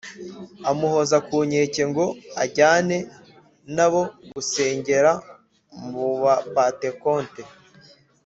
Amuhoza ku nkeke ngo ajyane na bo gusengera mu Bapantekote